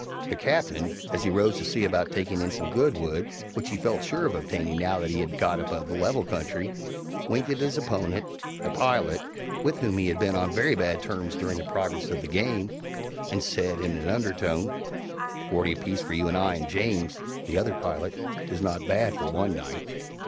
The Captain, as he rose to see about taking in some good wood, which he felt sure of obtaining now that he had got above the level country, winked at his opponent, the pilot, with whom he had been on very bad terms during the progress of the game, and said, in an undertone, "Forty apiece for you and I and James (the other pilot) is not bad for one night."